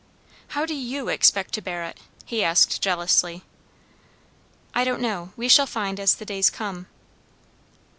"How do you expect to bear it?" he asked jealously. "I don't know. We shall find as the days come."